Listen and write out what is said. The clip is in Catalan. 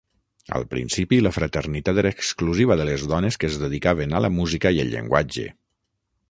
Al principi, la fraternitat era exclusiva de les dones que es dedicaven a la música i el llenguatge.